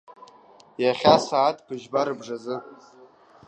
Иахьа асааҭ быжьба рыбжазы.